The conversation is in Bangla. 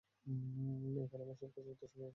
এইখানে আমার সব কাগজপত্র, আর মার্কশীট আছে।